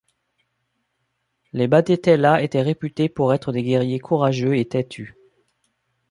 Les batetela étaient réputés pour être des guerriers courageux et têtus.